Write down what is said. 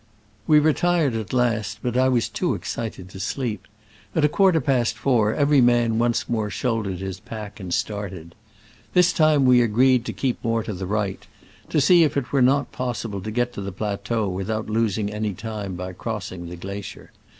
We retired at last, but I was too ex cited to sleep. At a quarter past four every man once more shouldered his pack and started. This time we agreed to keep more to the right, to see if it were not possible to get to the plateau without losing any time by crossing the glacier.